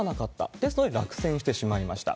ですので、落選してしまいました。